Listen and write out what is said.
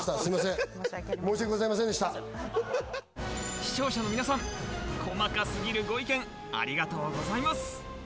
使用者の皆さん、細かすぎるご意見、ありがとうございます。